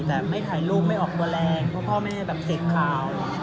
แต่ไม่ถ่ายรูปไม่ออกตัวแรงเพราะพ่อแม่แบบเสพข่าว